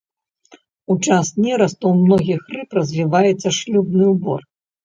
У час нерасту ў многіх рыб развіваецца шлюбны ўбор.